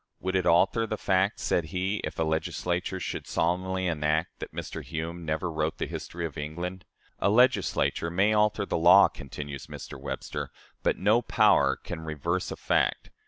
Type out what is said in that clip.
"Would it alter the fact," said he, "if a Legislature should solemnly enact that Mr. Hume never wrote the History of England?" A Legislature may alter the law,' continues Mr. Webster, 'but no power can reverse a fact.'